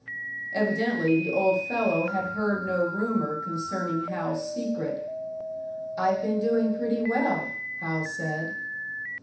Evidently the old fellow had heard no rumour concerning Hal's secret. "I've been doing pretty well," Hal said.